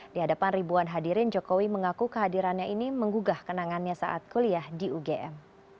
di hadapan ribuan hadirin jokowi mengaku kehadirannya ini menggugah kenangannya saat kuliah di ugm